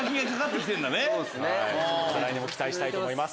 来年も期待したいと思います。